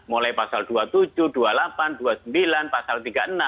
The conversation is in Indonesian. mulai pasal dua puluh tujuh dua puluh delapan dua puluh sembilan pasal tiga puluh enam